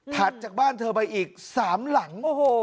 จากบ้านเธอไปอีก๓หลัง